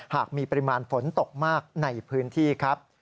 หากมีปริมาณฝนตกมากในพื้นที่ครับ